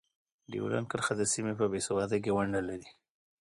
ډیورنډ کرښه د سیمې په بې ثباتۍ کې ونډه لري.